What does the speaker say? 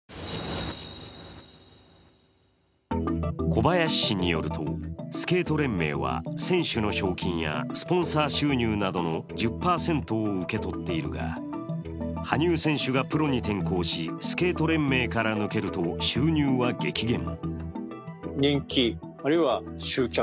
小林氏によるとスケート連盟は選手の賞金やスポンサー収入などの１０％を受け取っているが羽生選手がプロに転向し、スケート連盟から抜けると収入は激減。